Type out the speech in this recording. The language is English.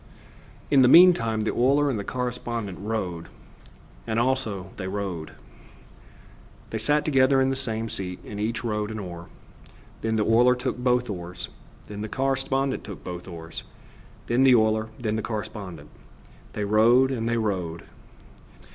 In the meantime the oiler and the correspondent rowed And also they rowed. They sat together in the same seat, and each rowed an oar. Then the oiler took both oars; then the correspondent took both oars; then the oiler; then the correspondent. They rowed and they rowed.